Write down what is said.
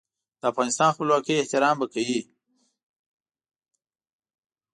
د افغانستان خپلواکۍ احترام به کوي.